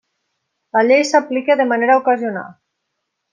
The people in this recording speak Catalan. La llei s'aplica de manera ocasional.